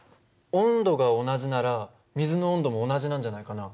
温度が同じなら水の温度も同じなんじゃないかな。